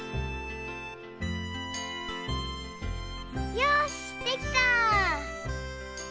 よしできた！